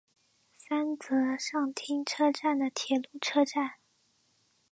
三泽上町车站的铁路车站。